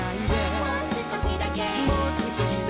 「もう少しだけ」